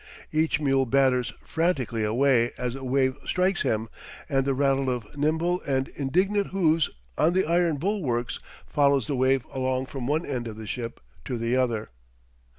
Each mule batters frantically away as the wave strikes him, and the rattle of nimble and indignant hoofs on the iron bulwarks follows the wave along from one end of the ship to the other.